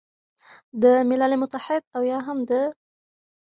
د ملل متحد او یا هم د